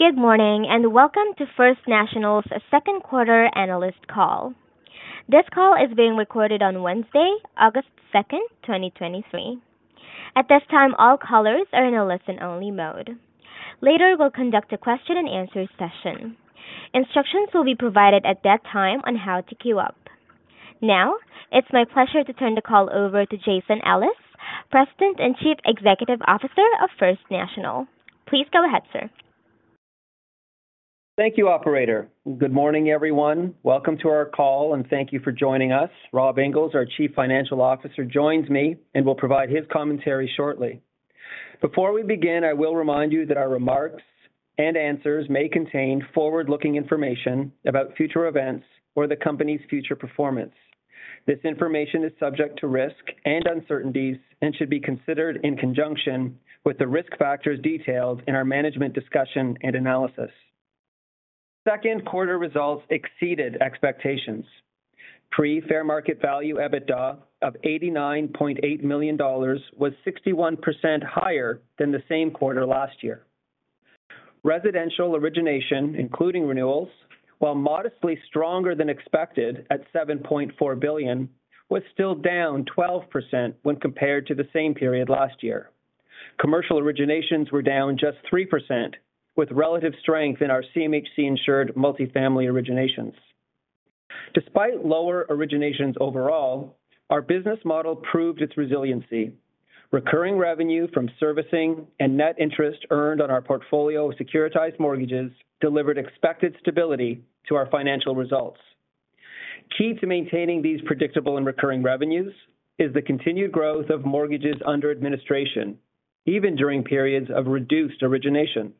Good morning, and welcome to First National's second quarter analyst call. This call is being recorded on Wednesday, August second, 2023. At this time, all callers are in a listen-only mode. Later, we'll conduct a question-and-answer session. Instructions will be provided at that time on how to queue up. Now, it's my pleasure to turn the call over to Jason Ellis, President and Chief Executive Officer of First National. Please go ahead, sir. Thank you, operator. Good morning, everyone. Welcome to our call, and thank you for joining us. Rob Inglis, our Chief Financial Officer, joins me and will provide his commentary shortly. Before we begin, I will remind you that our remarks and answers may contain forward-looking information about future events or the company's future performance. This information is subject to risk and uncertainties and should be considered in conjunction with the risk factors detailed in our management discussion and analysis. Second quarter results exceeded expectations. Pre-fair market value EBITDA of 89.8 million dollars was 61% higher than the same quarter last year. Residential origination, including renewals, while modestly stronger than expected at 7.4 billion, was still down 12% when compared to the same period last year. Commercial originations were down just 3%, with relative strength in our CMHC-insured multifamily originations. Despite lower originations overall, our business model proved its resiliency. Recurring revenue from servicing and net interest earned on our portfolio of securitized mortgages delivered expected stability to our financial results. Key to maintaining these predictable and recurring revenues is the continued growth of mortgages under administration, even during periods of reduced origination.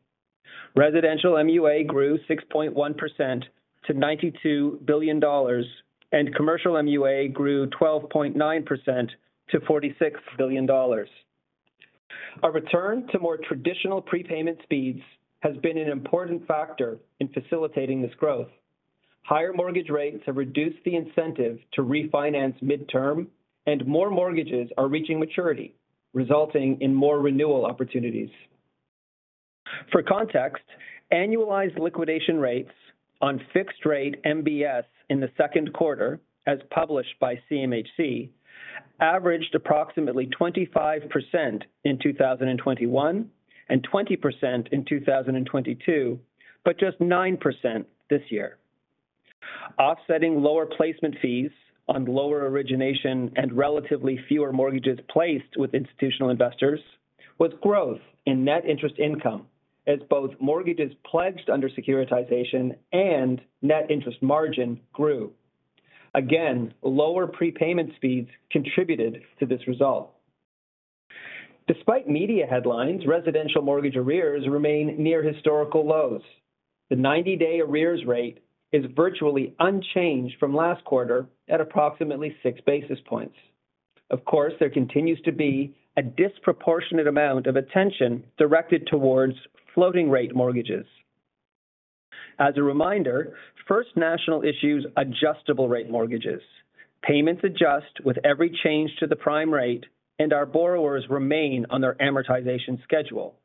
Residential MUA grew 6.1% to 92 billion dollars, and commercial MUA grew 12.9% to 46 billion dollars. A return to more traditional prepayment speeds has been an important factor in facilitating this growth. Higher mortgage rates have reduced the incentive to refinance midterm, and more mortgages are reaching maturity, resulting in more renewal opportunities. For context, annualized liquidation rates on fixed-rate MBS in the second quarter, as published by CMHC, averaged approximately 25% in 2021 and 20% in 2022, but just 9% this year. Offsetting lower placement fees on lower origination and relatively fewer mortgages placed with institutional investors was growth in net interest income, as both mortgages pledged under securitization and net interest margin grew. Again, lower prepayment speeds contributed to this result. Despite media headlines, residential mortgage arrears remain near historical lows. The 90-day arrears rate is virtually unchanged from last quarter at approximately 6 basis points. Of course, there continues to be a disproportionate amount of attention directed towards floating-rate mortgages. As a reminder, First National issues adjustable-rate mortgages. Payments adjust with every change to the prime rate, and our borrowers remain on their amortization schedule.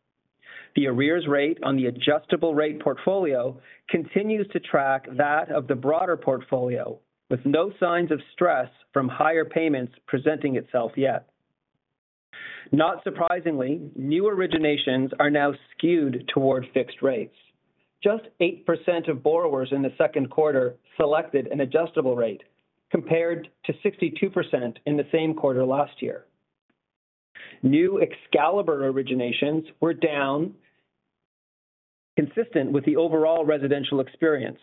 The arrears rate on the adjustable rate portfolio continues to track that of the broader portfolio, with no signs of stress from higher payments presenting itself yet. Not surprisingly, new originations are now skewed toward fixed rates. Just 8% of borrowers in the second quarter selected an adjustable rate, compared to 62% in the same quarter last year. New Excalibur originations were down, consistent with the overall residential experience.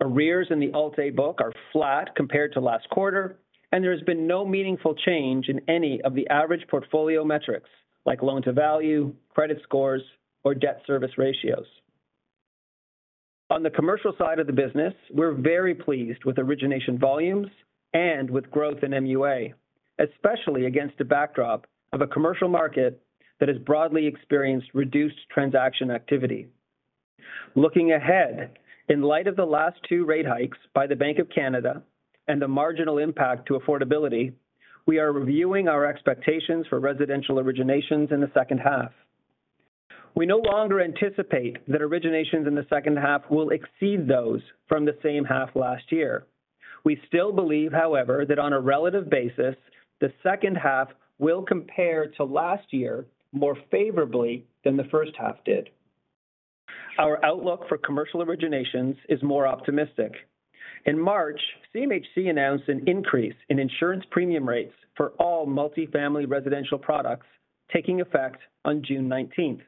Arrears in the Alt-A book are flat compared to last quarter, and there has been no meaningful change in any of the average portfolio metrics like loan-to-value, credit scores, or debt service ratios. On the commercial side of the business, we're very pleased with origination volumes and with growth in MUA, especially against a backdrop of a commercial market that has broadly experienced reduced transaction activity. Looking ahead, in light of the last 2 rate hikes by the Bank of Canada and the marginal impact to affordability, we are reviewing our expectations for residential originations in the second half. We no longer anticipate that originations in the second half will exceed those from the same half last year. We still believe, however, that on a relative basis, the second half will compare to last year more favorably than the first half did. Our outlook for commercial originations is more optimistic. In March, CMHC announced an increase in insurance premium rates for all multifamily residential products taking effect on June 19th.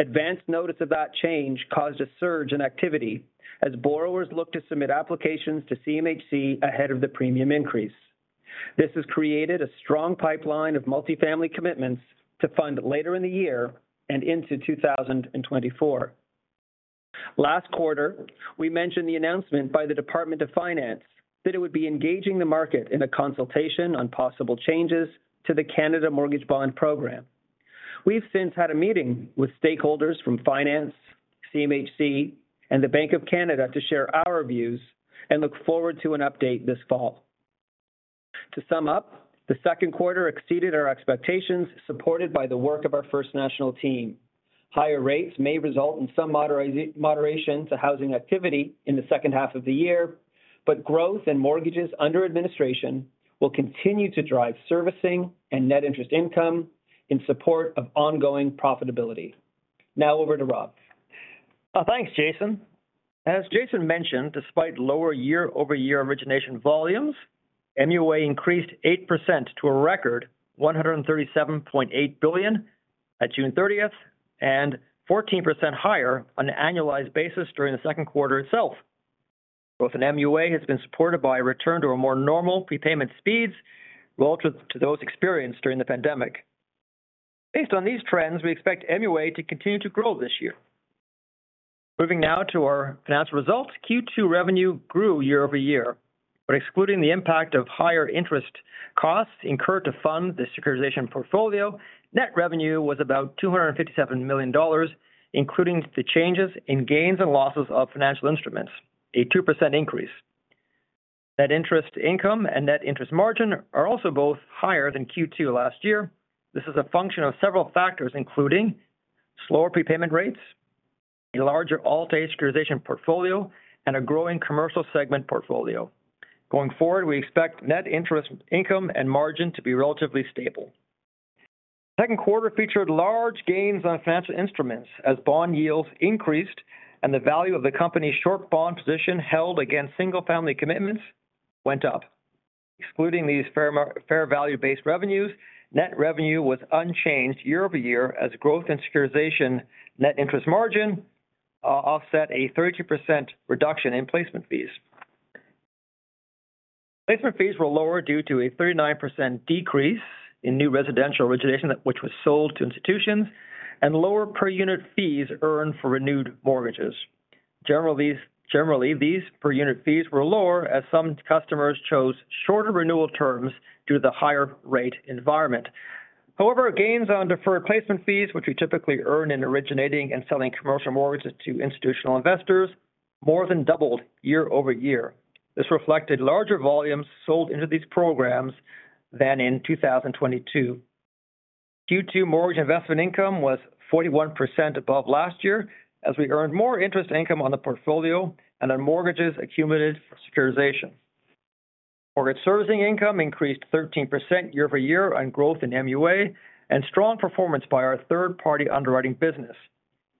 Advanced notice of that change caused a surge in activity as borrowers looked to submit applications to CMHC ahead of the premium increase. This has created a strong pipeline of multifamily commitments to fund later in the year and into 2024. Last quarter, we mentioned the announcement by the Department of Finance Canada that it would be engaging the market in a consultation on possible changes to the Canada Mortgage Bond program. We've since had a meeting with stakeholders from Department of Finance Canada, CMHC, and the Bank of Canada to share our views and look forward to an update this fall. To sum up, the second quarter exceeded our expectations, supported by the work of our First National team. Higher rates may result in some moderation to housing activity in the second half of the year, but growth in mortgages under administration will continue to drive servicing and net interest income in support of ongoing profitability. Over to Rob. Thanks, Jason. As Jason mentioned, despite lower year-over-year origination volumes, MUA increased 8% to a record 137.8 billion at June 30th, and 14% higher on an annualized basis during the second quarter itself. Growth in MUA has been supported by a return to a more normal prepayment speeds, relative to those experienced during the pandemic. Based on these trends, we expect MUA to continue to grow this year. Moving now to our financial results. Q2 revenue grew year-over-year, excluding the impact of higher interest costs incurred to fund the securitization portfolio, net revenue was about 257 million dollars, including the changes in gains and losses of financial instruments, a 2% increase. Net interest income and net interest margin are also both higher than Q2 last year. This is a function of several factors, including slower prepayment rates, a larger all-time securitization portfolio, and a growing commercial segment portfolio. Going forward, we expect net interest income and margin to be relatively stable. Second quarter featured large gains on financial instruments as bond yields increased and the value of the company's short bond position held against single-family commitments went up. Excluding these fair value-based revenues, net revenue was unchanged year-over-year as growth and securitization net interest margin offset a 32% reduction in placement fees. Placement fees were lower due to a 39% decrease in new residential origination, that which was sold to institutions, and lower per-unit fees earned for renewed mortgages. Generally, these per-unit fees were lower as some customers chose shorter renewal terms due to the higher rate environment. However, gains on deferred placement fees, which we typically earn in originating and selling commercial mortgages to institutional investors, more than doubled year-over-year. This reflected larger volumes sold into these programs than in 2022. Q2 mortgage investment income was 41 above last year, as we earned more interest income on the portfolio and on mortgages accumulated for securitization. Mortgage servicing income increased 13% year-over-year on growth in MUA and strong performance by our third-party underwriting business.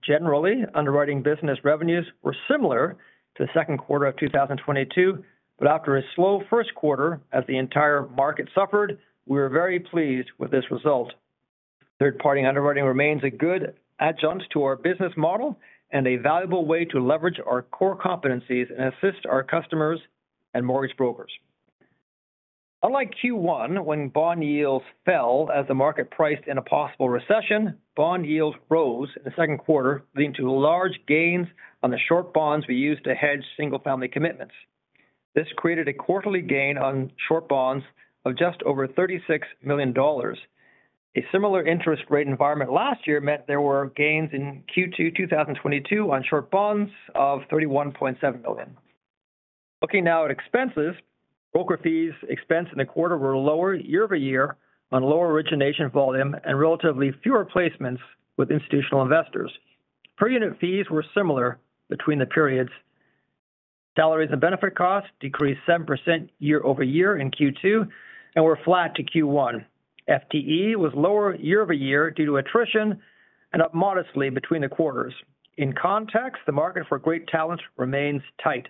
Generally, underwriting business revenues were similar to the second quarter of 2022, but after a slow first quarter, as the entire market suffered, we were very pleased with this result. Third-party underwriting remains a good adjunct to our business model and a valuable way to leverage our core competencies and assist our customers and mortgage brokers. Unlike Q1, when bond yields fell as the market priced in a possible recession, bond yields rose in the second quarter, leading to large gains on the short bonds we used to hedge single-family commitments. This created a quarterly gain on short bonds of just over 36 million dollars. A similar interest rate environment last year meant there were gains in Q2 2022 on short bonds of 31.7 million. Looking now at expenses, broker fees expense in the quarter were lower year-over-year on lower origination volume and relatively fewer placements with institutional investors. Per-unit fees were similar between the periods. Salaries and benefit costs decreased 7% year-over-year in Q2 and were flat to Q1. FTE was lower year-over-year due to attrition and up modestly between the quarters. In context, the market for great talent remains tight.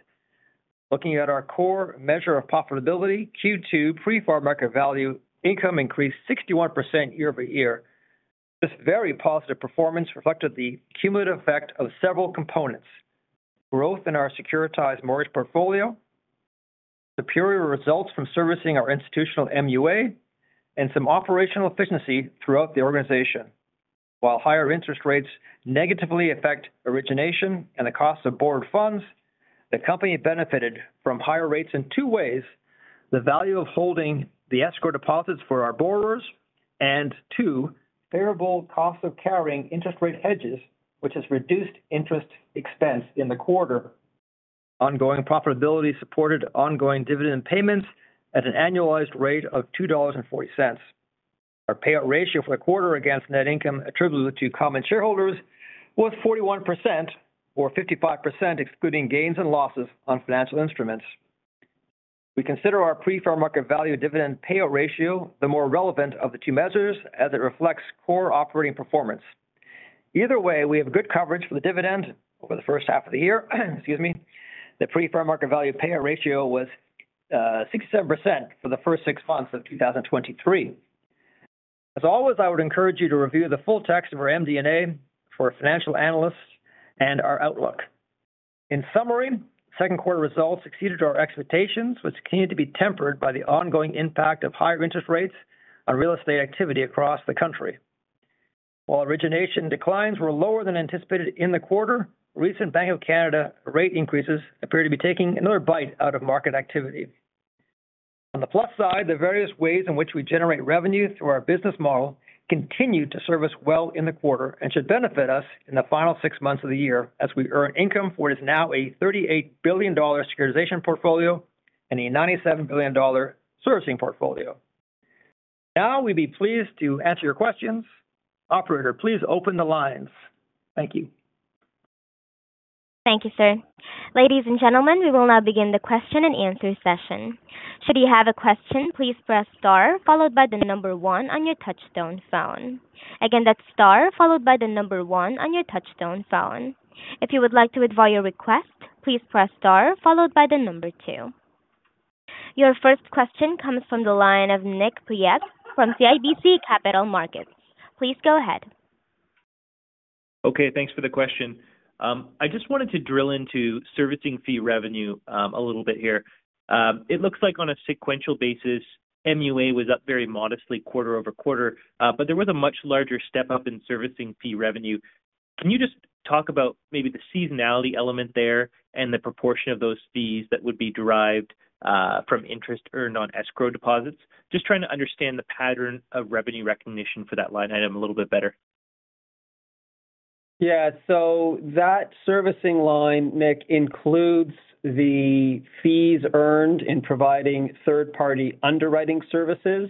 Looking at our core measure of profitability, Q2 pre-fair market value income increased 61% year-over-year. This very positive performance reflected the cumulative effect of several components: growth in our securitized mortgage portfolio, superior results from servicing our institutional MUA, and some operational efficiency throughout the organization. While higher interest rates negatively affect origination and the cost of borrowed funds, the company benefited from higher rates in two ways: the value of holding the escrow deposits for our borrowers, and 2, favorable cost of carrying interest rate hedges, which has reduced interest expense in the quarter. Ongoing profitability supported ongoing dividend payments at an annualized rate of 2.40 dollars. Our payout ratio for the quarter against net income attributable to common shareholders was 41% or 55%, excluding gains and losses on financial instruments. We consider our pre-fair market value dividend payout ratio the more relevant of the two measures as it reflects core operating performance. Either way, we have good coverage for the dividend over the first half of the year. Excuse me. The pre-fair market value payout ratio was 67% for the first six months of 2023. As always, I would encourage you to review the full text of our MD&A for financial analysts and our outlook. In summary, second quarter results exceeded our expectations, which continued to be tempered by the ongoing impact of higher interest rates on real estate activity across the country. While origination declines were lower than anticipated in the quarter, recent Bank of Canada rate increases appear to be taking another bite out of market activity. On the plus side, the various ways in which we generate revenue through our business model continued to serve us well in the quarter and should benefit us in the final six months of the year as we earn income for what is now a 38 billion dollar securitization portfolio and a 97 billion dollar servicing portfolio. Now we'd be pleased to answer your questions. Operator, please open the lines. Thank you. Thank you, sir. Ladies and gentlemen, we will now begin the question-and-answer session. Should you have a question, please press star followed by the number one on your touchtone phone. Again, that's star followed by the number one on your touchtone phone. If you would like to withdraw your request, please press star followed by the number two. Your first question comes from the line of Nik Priebe from CIBC Capital Markets. Please go ahead. Okay, thanks for the question. I just wanted to drill into servicing fee revenue a little bit here. It looks like on a sequential basis, MUA was up very modestly quarter-over-quarter, but there was a much larger step-up in servicing fee revenue. Can you just talk about maybe the seasonality element there and the proportion of those fees that would be derived from interest earned on escrow deposits? Just trying to understand the pattern of revenue recognition for that line item a little bit better. Yeah. That servicing line, Nick, includes the fees earned in providing third-party underwriting services.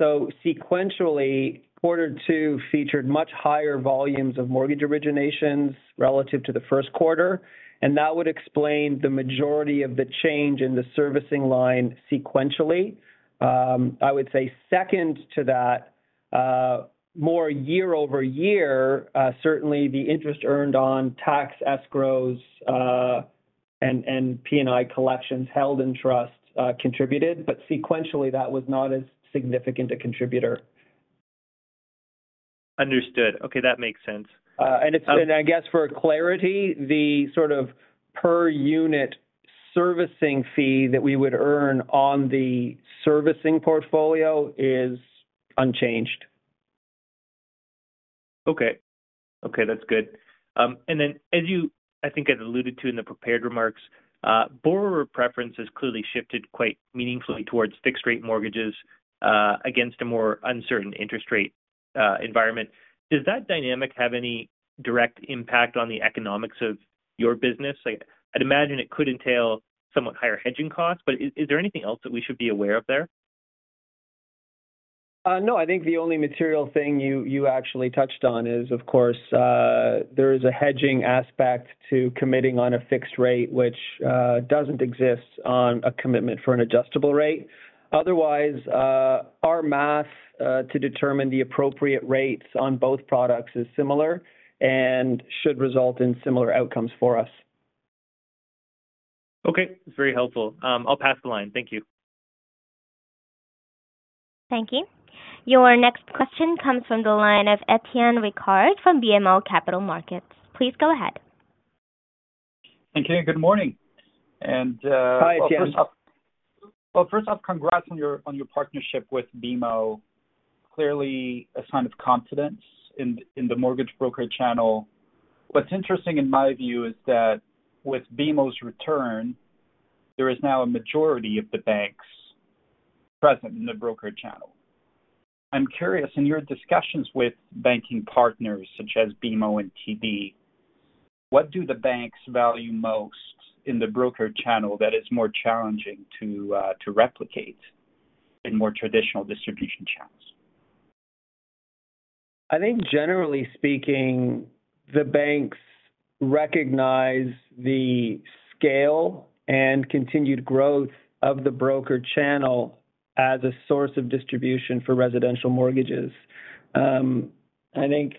Sequentially, Q2 featured much higher volumes of mortgage originations relative to Q1, and that would explain the majority of the change in the servicing line sequentially. I would say second to that, more year-over-year, certainly the interest earned on tax escrows, and P&I collections held in trust contributed, but sequentially, that was not as significant a contributor. Understood. Okay, that makes sense. It's been, I guess, for clarity, the sort of per-unit servicing fee that we would earn on the servicing portfolio is unchanged. Okay. Okay, that's good. As you, I think, had alluded to in the prepared remarks, borrower preference has clearly shifted quite meaningfully towards fixed-rate mortgages, against a more uncertain interest rate environment. Does that dynamic have any direct impact on the economics of your business? Like, I'd imagine it could entail somewhat higher hedging costs, but is there anything else that we should be aware of there? No, I think the only material thing you actually touched on is, of course, there is a hedging aspect to committing on a fixed rate, which doesn't exist on a commitment for an adjustable rate. Otherwise, our math to determine the appropriate rates on both products is similar and should result in similar outcomes for us. Okay. It's very helpful. I'll pass the line. Thank you. Thank you. Your next question comes from the line of Étienne Ricard from BMO Capital Markets. Please go ahead. Thank you. Good morning, Hi, Étienne. First off, congrats on your, on your partnership with BMO. Clearly, a sign of confidence in, in the mortgage broker channel. What's interesting in my view is that with BMO's return, there is now a majority of the banks present in the broker channel. I'm curious, in your discussions with banking partners such as BMO and TD, what do the banks value most in the broker channel that is more challenging to replicate in more traditional distribution channels? I think generally speaking, the banks recognize the scale and continued growth of the broker channel as a source of distribution for residential mortgages. I think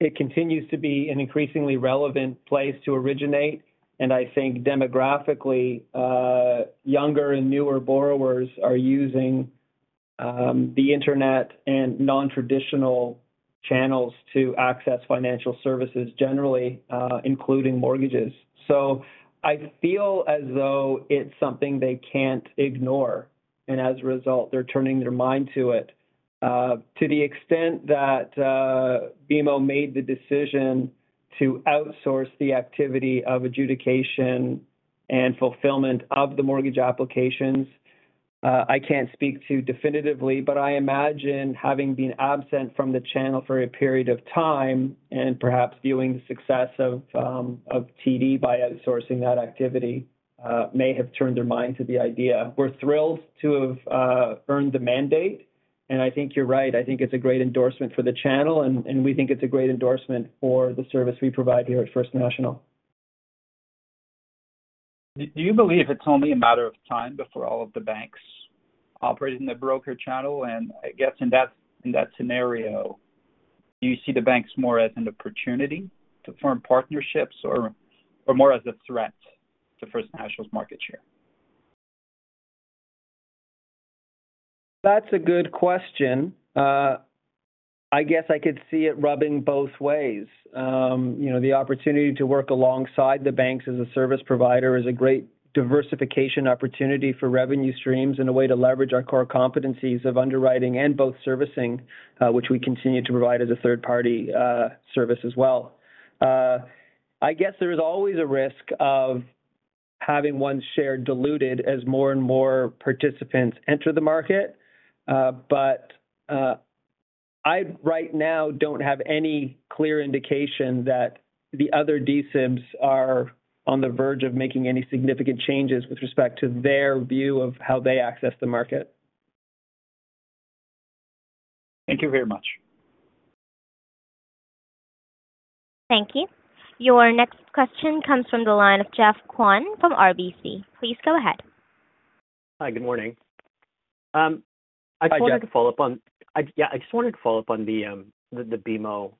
it continues to be an increasingly relevant place to originate, and I think demographically, younger and newer borrowers are using the internet and non-traditional channels to access financial services, generally, including mortgages. I feel as though it's something they can't ignore, and as a result, they're turning their mind to it. To the extent that BMO made the decision to outsource the activity of adjudication and fulfillment of the mortgage applications, I can't speak to definitively, but I imagine having been absent from the channel for a period of time and perhaps viewing the success of TD by outsourcing that activity, may have turned their mind to the idea. We're thrilled to have earned the mandate, and I think you're right. I think it's a great endorsement for the channel, and we think it's a great endorsement for the service we provide here at First National. Do, do you believe it's only a matter of time before all of the banks operate in the broker channel? I guess in that, in that scenario, do you see the banks more as an opportunity to form partnerships or, or more as a threat to First National's market share? That's a good question. I guess I could see it rubbing both ways. You know, the opportunity to work alongside the banks as a service provider is a great diversification opportunity for revenue streams and a way to leverage our core competencies of underwriting and both servicing, which we continue to provide as a third-party service as well. I guess there is always a risk of having one share diluted as more and more participants enter the market, but I right now don't have any clear indication that the other D-SIBs are on the verge of making any significant changes with respect to their view of how they access the market. Thank you very much. Thank you. Your next question comes from the line of Geoff Kwan from RBC. Please go ahead. Hi, good morning. Hi, Geoff. Yeah, I just wanted to follow up on the BMO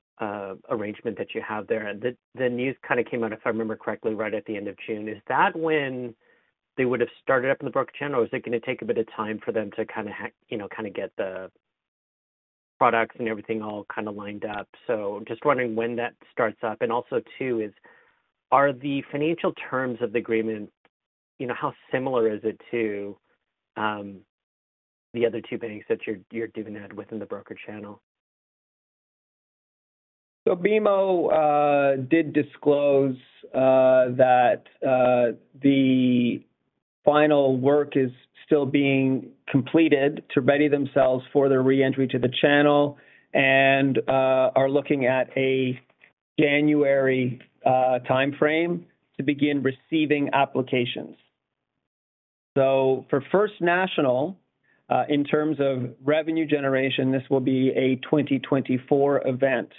arrangement that you have there. The news kind of came out, if I remember correctly, right at the end of June. Is that when they would have started up in the broker channel, or is it going to take a bit of time for them to kind of, you know, kind of get the products and everything all kind of lined up? So just wondering when that starts up. Also, too, is, are the financial terms of the agreement, you know, how similar is it to the other two banks that you're, you're doing that within the broker channel? BMO did disclose that the final work is still being completed to ready themselves for their reentry to the channel and are looking at a January timeframe to begin receiving applications. For First National, in terms of revenue generation, this will be a 2024 event,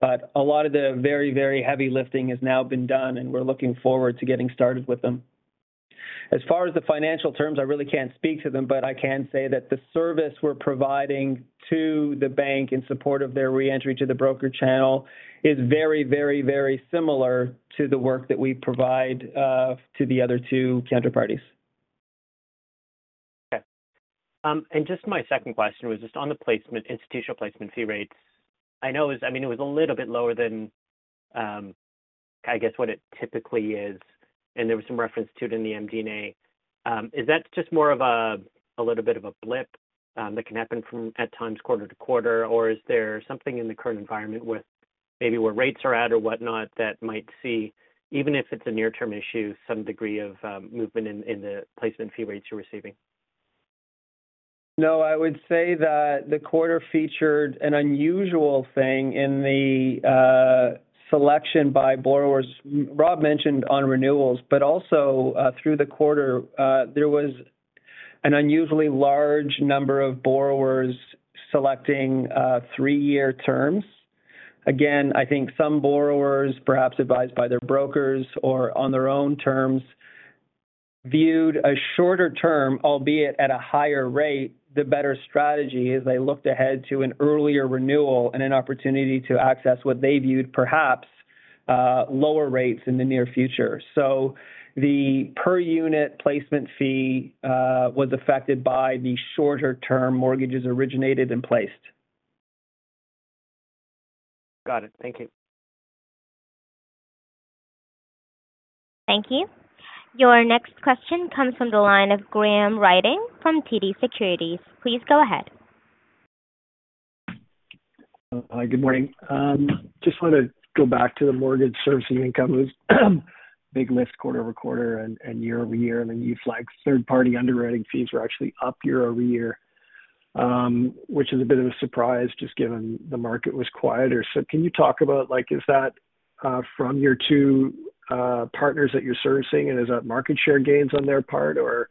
but a lot of the very, very heavy lifting has now been done, and we're looking forward to getting started with them. As far as the financial terms, I really can't speak to them, but I can say that the service we're providing to the bank in support of their reentry to the broker channel is very, very, very similar to the work that we provide to the other two counterparties. Okay. Just my second question was just on the placement, institutional placement fee rates. I mean, it was a little bit lower than, I guess, what it typically is, and there was some reference to it in the MD&A. Is that just more of a, a little bit of a blip, that can happen from at times quarter to quarter? Or is there something in the current environment with maybe where rates are at or whatnot, that might see, even if it's a near-term issue, some degree of movement in, in the placement fee rates you're receiving? No, I would say that the quarter featured an unusual thing in the selection by borrowers. Rob mentioned on renewals, but also, through the quarter, there was an unusually large number of borrowers selecting 3-year terms. Again, I think some borrowers, perhaps advised by their brokers or on their own terms, viewed a shorter term, albeit at a higher rate, the better strategy as they looked ahead to an earlier renewal and an opportunity to access what they viewed, perhaps, lower rates in the near future. The per-unit placement fee was affected by the shorter-term mortgages originated and placed. Got it. Thank you. Thank you. Your next question comes from the line of Graham Ryding from TD Securities. Please go ahead. Hi, good morning. Just wanted to go back to the mortgage servicing income. It was a big lift quarter over quarter and, and year over year. Then you flagged third-party underwriting fees were actually up year over year, which is a bit of a surprise, just given the market was quieter. Can you talk about, like, is that from your 2 partners that you're servicing, and is that market share gains on their part, or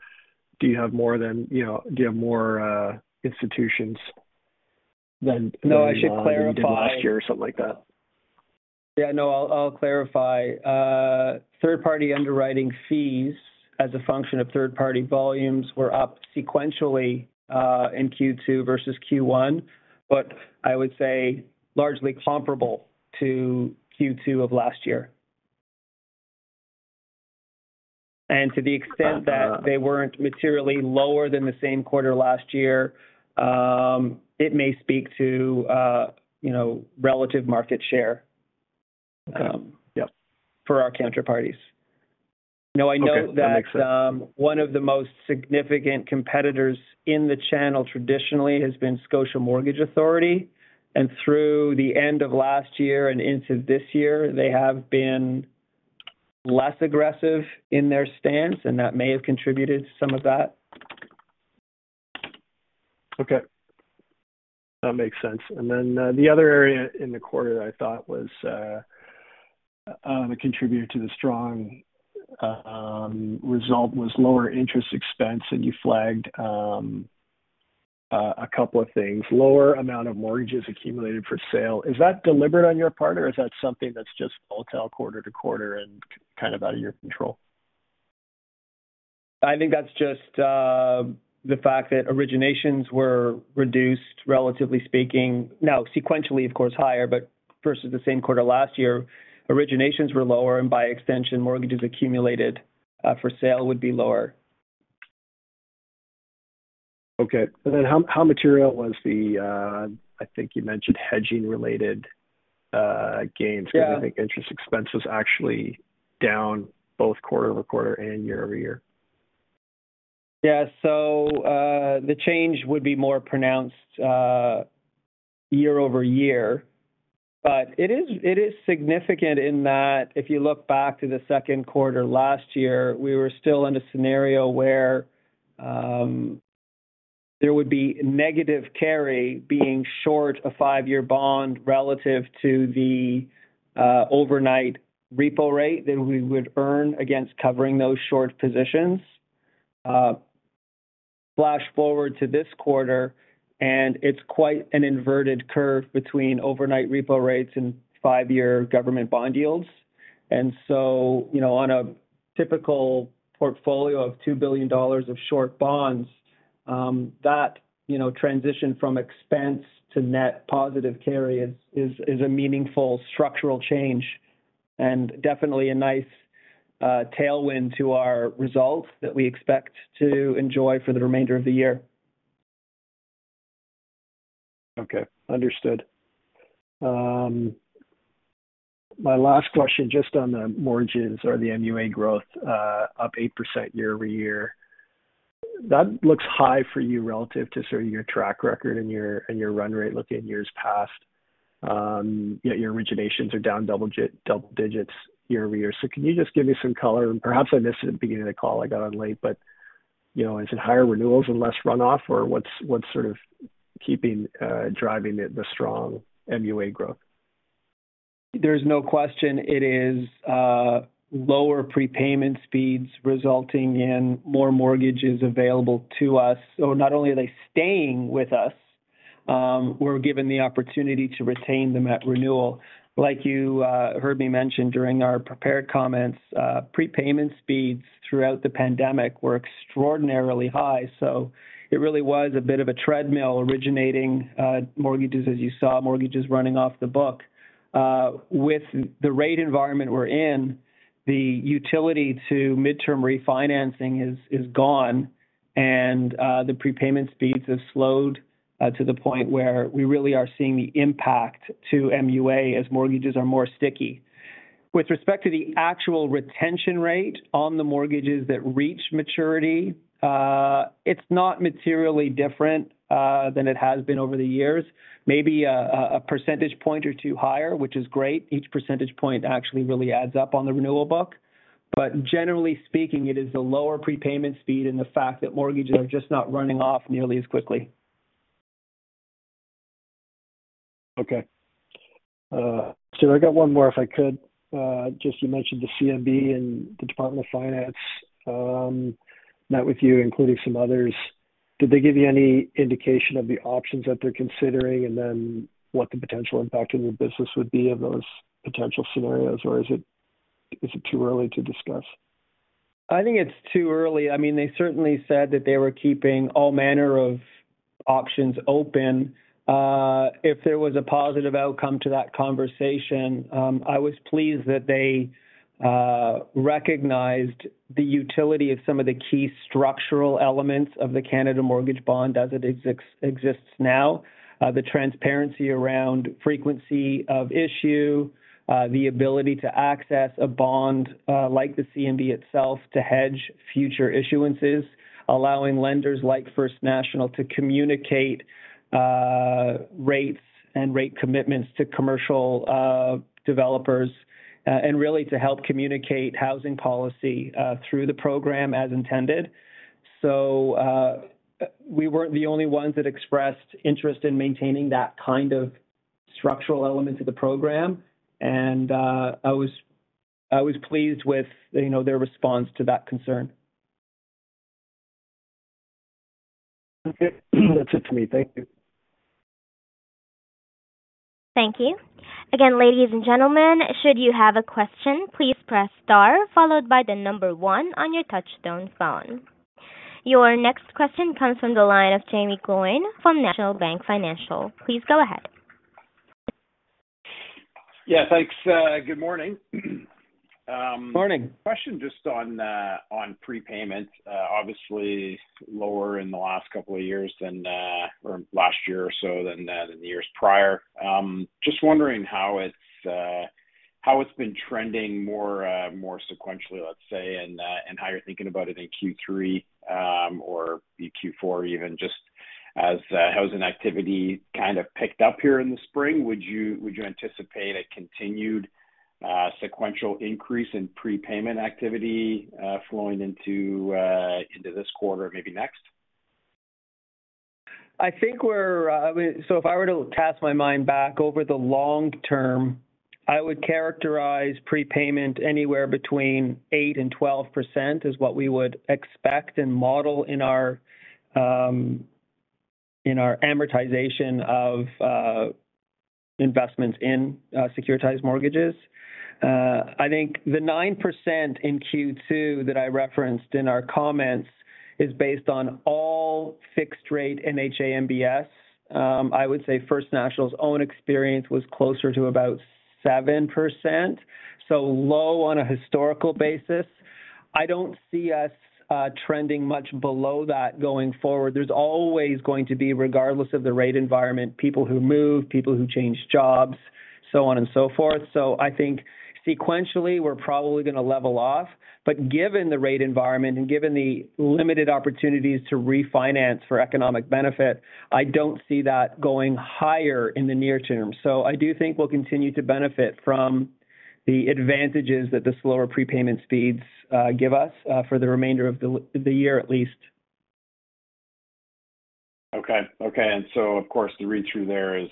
do you have more than, you know, do you have more institutions than- No, I should clarify. ..than you did last year? Yeah, no I'll clarify. Third-party underwriting fees as a function of third-party volumes were up sequentially in Q2 versus Q1, but I would say largely comparable to Q2 of last year. To the extent that they weren't materially lower than the same quarter last year, it may speak to, you know, relative market share- Yep. for our counterparties. Now, I know that- Okay. That makes sense. One of the most significant competitors in the channel traditionally has been Scotia Mortgage Authority, and through the end of last year and into this year, they have been less aggressive in their stance, and that may have contributed to some of that. Okay. That makes sense. Then, the other area in the quarter that I thought was a contributor to the strong result was lower interest expense, and you flagged a couple of things. Lower amount of mortgages accumulated for sale. Is that deliberate on your part, or is that something that's just volatile quarter to quarter and kind of out of your control? I think that's just, the fact that originations were reduced, relatively speaking. Now, sequentially, of course, higher, but versus the same quarter last year, originations were lower, and by extension, mortgages accumulated, for sale would be lower. Okay. How, how material was the, I think you mentioned hedging-related, gains? Yeah. I think interest expense was actually down both quarter-over-quarter and year-over-year. Yeah. The change would be more pronounced year-over-year. It is significant in that if you look back to the second quarter last year, we were still in a scenario where there would be negative carry being short a five-year bond relative to the overnight repo rate that we would earn against covering those short positions. Flash forward to this quarter, and it's quite an inverted curve between overnight repo rates and five-year government bond yields. You know, on a typical portfolio of 2 billion dollars of short bonds, that, you know, transition from expense to net positive carry is a meaningful structural change and definitely a nice tailwind to our results that we expect to enjoy for the remainder of the year. Okay, understood. My last question, just on the mortgages or the MUA growth, up 8% year-over-year. That looks high for you relative to sort of your track record and your, and your run rate looking at years past. Yet your originations are down double digits year-over-year. Can you just give me some color? Perhaps I missed it at the beginning of the call, I got on late, but, you know, is it higher renewals and less runoff, or what's sort of keeping, driving the, the strong MUA growth? There's no question. It is lower prepayment speeds resulting in more mortgages available to us. Not only are they staying with us, we're given the opportunity to retain them at renewal. Like you heard me mention during our prepared comments, prepayment speeds throughout the pandemic were extraordinarily high, it really was a bit of a treadmill originating mortgages, as you saw, mortgages running off the book. With the rate environment we're in, the utility to midterm refinancing is, is gone, and the prepayment speeds have slowed to the point where we really are seeing the impact to MUA as mortgages are more sticky. With respect to the actual retention rate on the mortgages that reach maturity, it's not materially different than it has been over the years. Maybe a percentage point or two higher, which is great. Each percentage point actually really adds up on the renewal book. Generally speaking, it is the lower prepayment speed and the fact that mortgages are just not running off nearly as quickly. Okay. I got one more, if I could. Just you mentioned the CMB and the Department of Finance, met with you, including some others. Did they give you any indication of the options that they're considering, and then what the potential impact in your business would be of those potential scenarios, or is it too early to discuss? I think it's too early. I mean, they certainly said that they were keeping all manner of options open. If there was a positive outcome to that conversation, I was pleased that they recognized the utility of some of the key structural elements of the Canada Mortgage Bond as it exists now. The transparency around frequency of issue, the ability to access a bond like the CMB itself, to hedge future issuances, allowing lenders like First National to communicate rates and rate commitments to commercial developers, and really to help communicate housing policy through the program as intended. So, we weren't the only ones that expressed interest in maintaining that kind of structural element to the program, and I was, I was pleased with, you know, their response to that concern. That's it for me. Thank you. Thank you. Again, ladies and gentlemen, should you have a question, please press star followed by the number 1 on your touchtone phone. Your next question comes from the line of Jaeme Gloyn from National Bank Financial. Please go ahead. Yeah, thanks. Good morning. Morning. Question just on prepayment. Obviously lower in the last couple of years compared to previous years. Just wondering how it's how it's been trending more more sequentially, let's say, and and how you're thinking about it in Q3 or Q4 even, just as housing activity kind of picked up here in the spring? Would you, would you anticipate a continued sequential increase in prepayment activity flowing into into this quarter, maybe next? I think we're. If I were to cast my mind back over the long term, I would characterize prepayment anywhere between 8% and 12% is what we would expect and model in our, in our amortization of investments in securitized mortgages. I think the 9% in Q2 that I referenced in our comments is based on all fixed rate in NHA-MBS. I would say First National's own experience was closer to about 7%, so low on a historical basis. I don't see us trending much below that going forward. There's always going to be, regardless of the rate environment, people who move, people who change jobs, so on and so forth. I think sequentially, we're probably going to level off. Given the rate environment and given the limited opportunities to refinance for economic benefit, I don't see that going higher in the near term. I do think we'll continue to benefit from the advantages that the slower prepayment speeds give us for the remainder of the year, at least. Okay. Okay. Of course, the read-through there is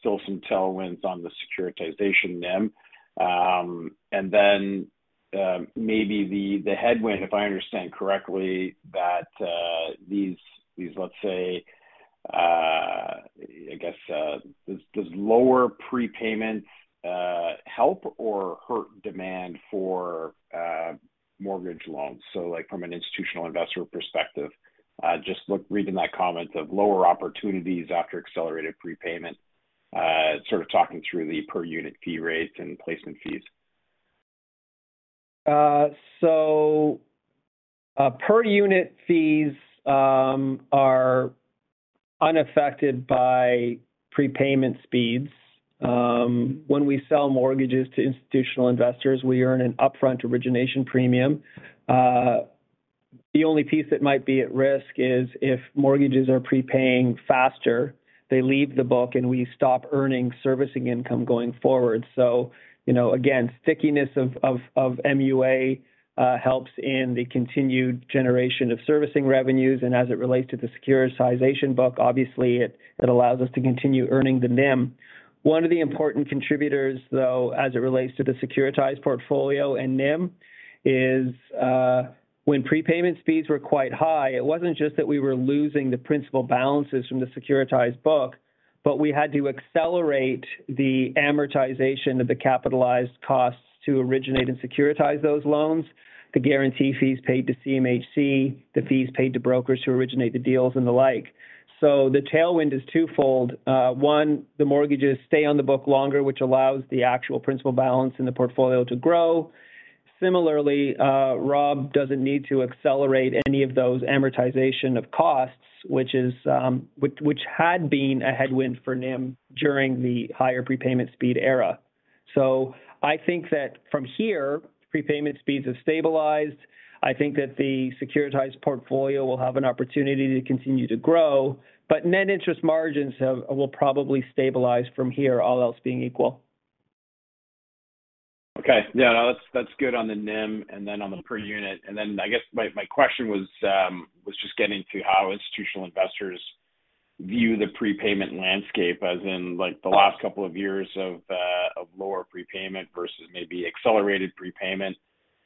still some tailwinds on the securitization NIM. Maybe the, the headwind, if I understand correctly, that these, these, let's say, I guess, does, does lower prepayment help or hurt demand for mortgage loans? Like, from an institutional investor perspective, just reading that comment of lower opportunities after accelerated prepayment, sort of talking through the per unit fee rates and placement fees. Per unit fees are unaffected by prepayment speeds. When we sell mortgages to institutional investors, we earn an upfront origination premium. The only piece that might be at risk is if mortgages are prepaying faster, they leave the book, and we stop earning servicing income going forward. You know, again, stickiness of MUA helps in the continued generation of servicing revenues. As it relates to the securitization book, obviously it allows us to continue earning the NIM. One of the important contributors, though, as it relates to the securitized portfolio and NIM, is when prepayment speeds were quite high, it wasn't just that we were losing the principal balances from the securitized book, but we had to accelerate the amortization of the capitalized costs to originate and securitize those loans, the guarantee fees paid to CMHC, the fees paid to brokers who originate the deals, and the like. The tailwind is twofold. One, the mortgages stay on the book longer, which allows the actual principal balance in the portfolio to grow. Similarly, Rob Inglis doesn't need to accelerate any of those amortization of costs, which is had been a headwind for NIM during the higher prepayment speed era. I think that from here, prepayment speeds have stabilized. I think that the securitized portfolio will have an opportunity to continue to grow. Net interest margins will probably stabilize from here, all else being equal. Okay. Yeah, no that's good on the NIM and then on the per unit. Then, I guess my question was just getting to how institutional investors view the prepayment landscape, as in, like, the last couple of years of lower prepayment versus maybe accelerated prepayment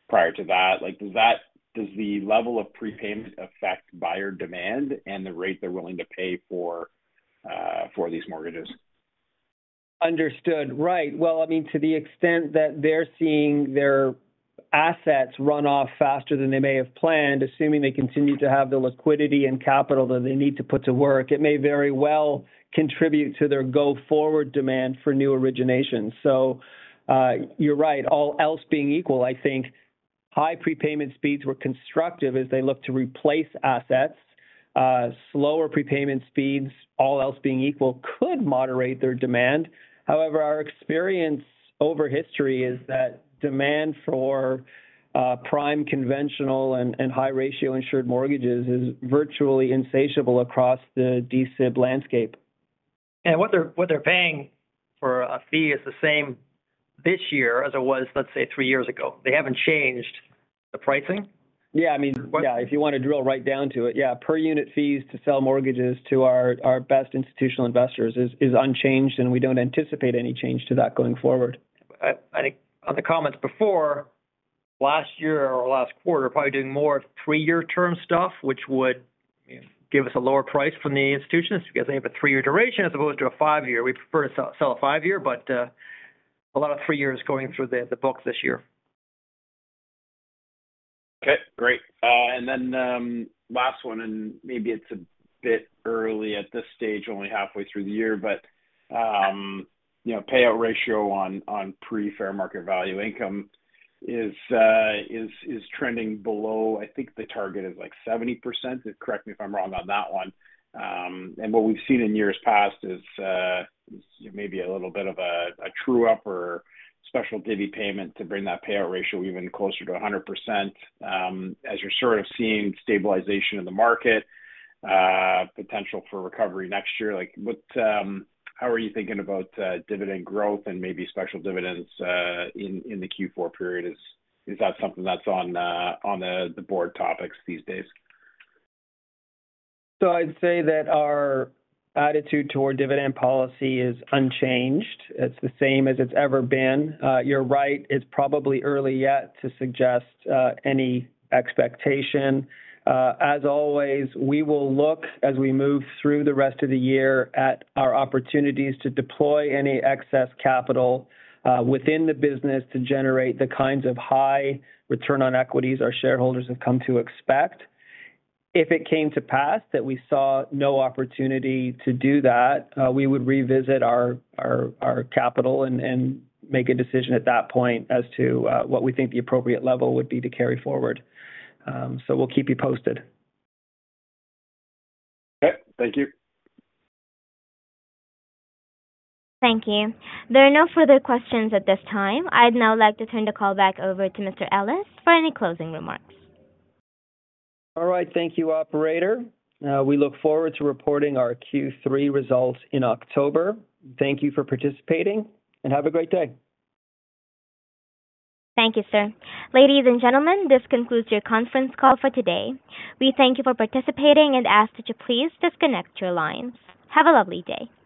prior to that. Like, does that-- does the level of prepayment affect buyer demand and the rate they're willing to pay for these mortgages? Understood. Right. Well, I mean, to the extent that they're seeing their assets run off faster than they may have planned, assuming they continue to have the liquidity and capital that they need to put to work, it may very well contribute to their go-forward demand for new origination. You're right. All else being equal, I think high prepayment speeds were constructive as they look to replace assets. Slower prepayment speeds, all else being equal, could moderate their demand. However, our experience over history is that demand for prime conventional and, and high-ratio insured mortgages is virtually insatiable across the DSIB landscape. What they're, what they're paying for a fee is the same this year as it was, let's say, three years ago. They haven't changed the pricing? Yeah, I mean- What- Yeah, if you want to drill right down to it, yeah, per unit fees to sell mortgages to our, our best institutional investors is, is unchanged. We don't anticipate any change to that going forward. I think on the comments before, last year or last quarter, probably doing more of 3-year term stuff, which would give us a lower price from the institutions because they have a 3-year duration as opposed to a 5-year. We prefer to sell, sell a 5-year. A lot of 3 years going through the, the books this year. Okay, great. Last one, and maybe it's a bit early at this stage, only halfway through the year, but, you know, payout ratio on, on pre-fair market value income is trending below. I think the target is, like, 70%. Correct me if I'm wrong on that one. What we've seen in years past is, maybe a little bit of a, a true up or special dividend payment to bring that payout ratio even closer to 100%. As you're sort of seeing stabilization in the market, potential for recovery next year, like, what, how are you thinking about dividend growth and maybe special dividends in the Q4 period? Is that something that's on the board topics these days? I'd say that our attitude toward dividend policy is unchanged. It's the same as it's ever been. You're right, it's probably early yet to suggest, any expectation. As always, we will look, as we move through the rest of the year, at our opportunities to deploy any excess capital, within the business to generate the kinds of high return on equities our shareholders have come to expect. If it came to pass that we saw no opportunity to do that, we would revisit our, our, our capital and, and make a decision at that point as to, what we think the appropriate level would be to carry forward. We'll keep you posted. Okay. Thank you. Thank you. There are no further questions at this time. I'd now like to turn the call back over to Mr. Ellis for any closing remarks. All right. Thank you, operator. We look forward to reporting our Q3 results in October. Thank you for participating. Have a great day. Thank you, sir. Ladies and gentlemen, this concludes your conference call for today. We thank you for participating and ask that you please disconnect your lines. Have a lovely day.